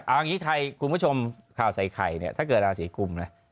อ่าอย่างนี้คุณผู้ชมข่าวใส่ไข่ถ้าเกิดราศิกุมแล้ว